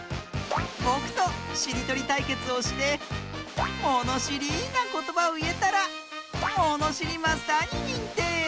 ぼくとしりとりたいけつをしてものしりなことばをいえたらものしりマスターににんてい！